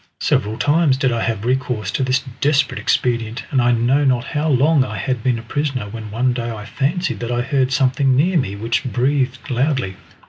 Several times did I have recourse to this desperate expedient, and I know not how long I had been a prisoner when one day I fancied that I heard something near me, which breathed loudly.